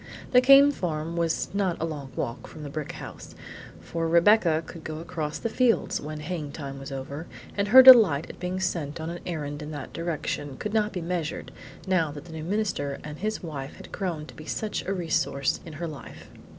The Came farm was not a long walk from the brick house, for Rebecca could go across the fields when haying time was over, and her delight at being sent on an errand in that direction could not be measured, now that the new minister and his wife had grown to be such a resource in her life.